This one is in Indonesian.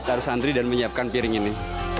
harus antri dan menyiapkan piring ini